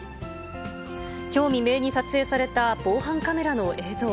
きょう未明に撮影された防犯カメラの映像。